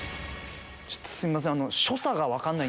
ちょっとすいません。